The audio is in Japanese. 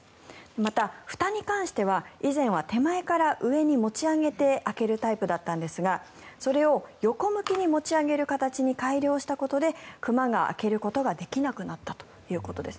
また、ふたに関しては以前は手前から上に持ち上げて開けるタイプだったんですがそれを横向きに持ち上げる形に改良したことで熊が開けることができなくなったということです。